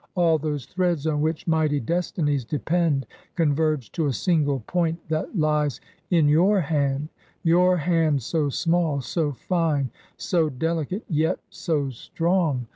All those threads on which mighty destinies depend converge to a single point that lies in your hand — ^your hand so small, so fine, so delicate, yet so strong.